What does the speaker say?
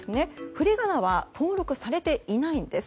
振り仮名は登録されていないんです。